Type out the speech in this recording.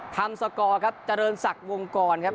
ทำสกอร์ครับเจริญสักวงกรครับ